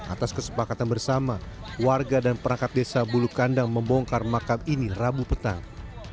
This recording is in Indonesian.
atas kesepakatan bersama warga dan perangkat desa bulu kandang membongkar makam ini rabu petang